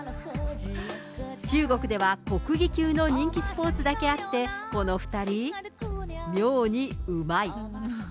中国では、国技級の人気スポーツだけあって、この２人、妙にうまい。